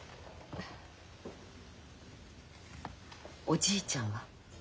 おじいちゃんは？